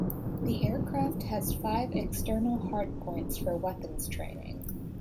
The aircraft has five external hardpoints for weapons-training.